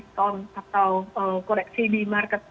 town atau koreksi di market